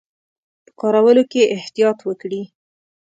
په کارولو کې یې احتیاط وکړي.